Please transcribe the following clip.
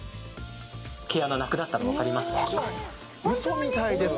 毛穴、なくなったの分かります？